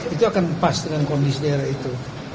itu akan pas dengan kondisi daerah itu